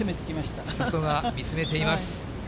妹の千怜が見つめています。